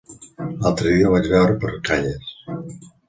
L'altre dia el vaig veure per Calles.